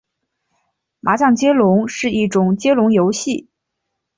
麻将接龙是一种接龙游戏。